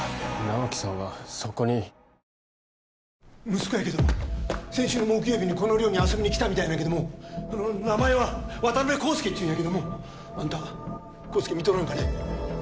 息子や先週の木曜日にこの寮に遊びにきたみたいなんやけども名前は渡辺康介っちゅうんやけどもあんた康介見とらんかね？